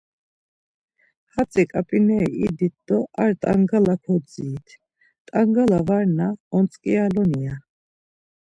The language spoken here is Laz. Hatzi ǩap̌ineri idit do ar t̆angala kodzirit, t̆angala varna ontzǩiyaloni. ya.